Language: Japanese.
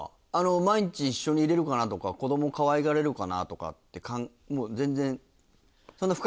毎日一緒にいれるかなとか子供かわいがれるかなとかってもう全然。